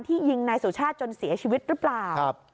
ยิงนายสุชาติจนเสียชีวิตหรือเปล่า